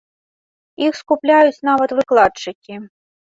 Іх скупляюць нават выкладчыкі.